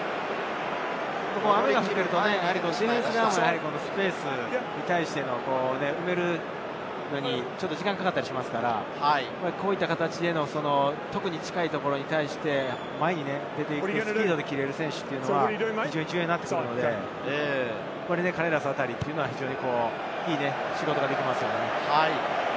雨が降っているとスペースに対して埋めるのにちょっと時間がかかったりしますから、こういった形で近いところに対して、前に出ていくスピードのきれる選手は重要になってくるので、カレーラスあたりは非常にいい仕事ができますね。